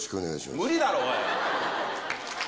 無理だろ、おい。